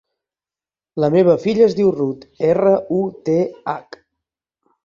La meva filla es diu Ruth: erra, u, te, hac.